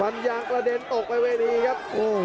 ฟันยางเพื่อกระเด็นตกไปในวันนี้ครับ